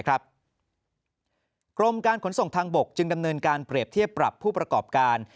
กรมการขนส่งทางบกจึงดำเนินการเปรียบเทียบปรับผู้ประกอบการ